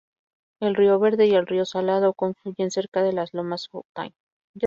El río Verde y el río Salado confluyen cerca de las lomas Fountain.